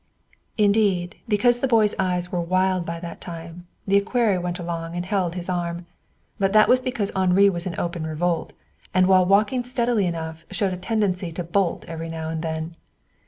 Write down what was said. Indeed, because the boy's eyes were wild by that time, the equerry went along and held his arm. But that was because Henri was in open revolt, and while walking steadily enough showed a tendency to bolt every now and then.